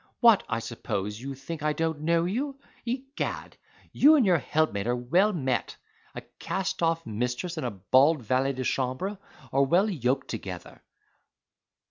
What, I suppose you think I don't know you? Egad, you and your helpmate are well met—a cast off mistress and a bald valet de chambre are well yoked together."